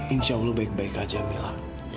insya allah baik baik aja mila